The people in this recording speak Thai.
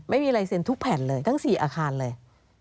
ไม่มีลายเซ็นทุกแผ่นเลยทั้ง๔อาคารเลย